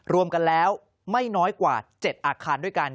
รวมกันแล้วไม่น้อยกว่า๗อาคารด้วยกัน